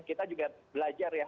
kita juga belajar ya